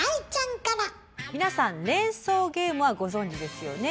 皆さん連想ゲームはご存じですよね？